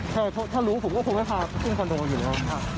ใช่ถ้ารู้ผมก็คงไม่พาไปขึ้นคอนโดอยู่แล้ว